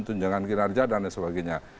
tunjangan kinerja dan sebagainya